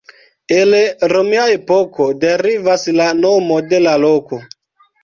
El romia epoko derivas la nomo de la loko.